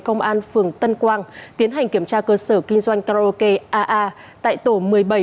công an phường tân quang tiến hành kiểm tra cơ sở kinh doanh karaoke aa tại tổ một mươi bảy